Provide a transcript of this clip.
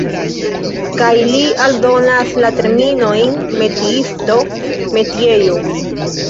Kaj li aldonas la terminojn "metiisto", "metiejo".